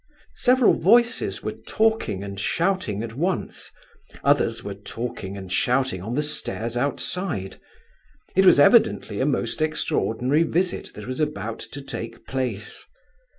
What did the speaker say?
Several voices were talking and shouting at once; others were talking and shouting on the stairs outside; it was evidently a most extraordinary visit that was about to take place.